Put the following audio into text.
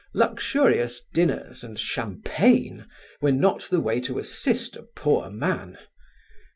Luxurious dinners and champagne were not the way to assist a poor man.